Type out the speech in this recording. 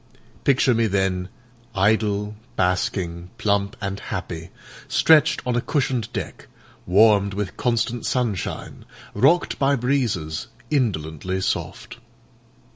Picture me then idle, basking, plump, and happy, stretched on a cushioned deck, warmed with constant sunshine, rocked by breezes indolently soft.